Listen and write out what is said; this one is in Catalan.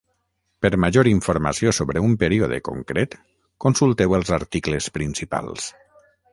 Per major informació sobre un període concret, consulteu els articles principals.